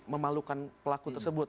memalukan pelaku tersebut